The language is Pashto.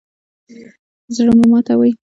زړه مه ماتوئ